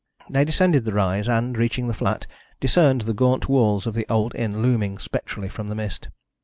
They descended the rise and, reaching the flat, discerned the gaunt walls of the old inn looming spectrally from the mist.